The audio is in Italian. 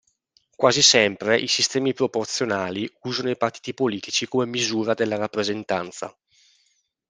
Quasi sempre i sistemi proporzionali usano i partiti politici come misura della rappresentanza.